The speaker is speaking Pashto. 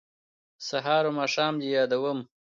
سهار او ماښام دې یادوم